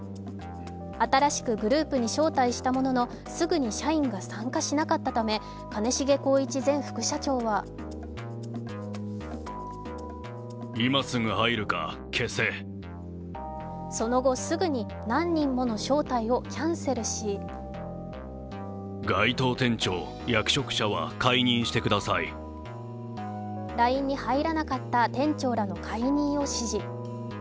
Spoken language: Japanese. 新しくグループに招待したもののすぐに社員が参加しなかったため兼重宏一前副社長はその後、すぐに何人もの招待をキャンセルしＬＩＮＥに入らなかった店長らの解任を指示。